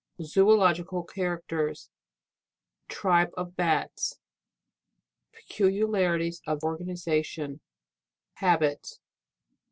Zoological characters. Tribe of Dais. Peculiarities of organization.. Habits.